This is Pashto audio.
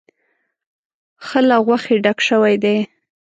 ښه له غوښې ډک شوی دی.